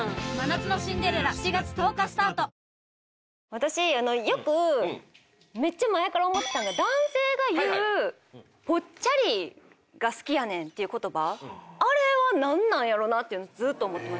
私よくめっちゃ前から思ってたんが男性が言う「ぽっちゃりが好きやねん」っていう言葉あれは何なんやろな？っていうのずっと思ってました。